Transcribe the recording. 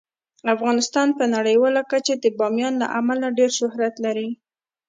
افغانستان په نړیواله کچه د بامیان له امله ډیر شهرت لري.